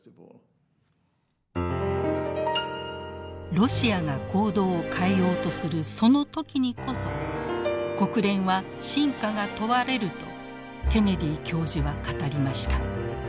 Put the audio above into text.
ロシアが行動を変えようとするその時にこそ国連は真価が問われるとケネディ教授は語りました。